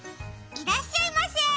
いらっしゃいませー。